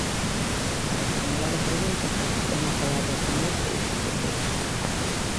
Para formular a pregunta, ten a palabra o señor Eixo Tecelán.